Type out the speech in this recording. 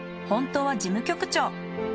本当は事務局長。